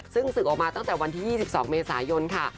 ซึ่งศึกออกมาตั้งแต่วันที่๒๒เมษายนค่ะ